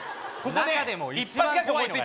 中でも一番怖いのがね